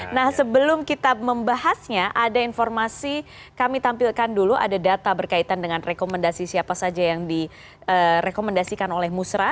nah sebelum kita membahasnya ada informasi kami tampilkan dulu ada data berkaitan dengan rekomendasi siapa saja yang direkomendasikan oleh musra